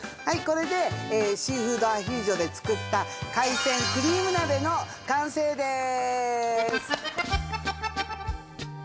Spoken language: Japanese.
これでシーフードアヒージョで作った海鮮クリーム鍋の完成です。